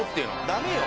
ダメよ。